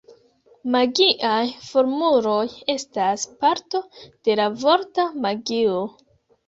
Magiaj formuloj estas parto de la vorta magio.